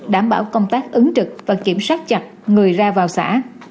đảm bảo công tác ứng trực và kiểm soát chặt người ra vào xã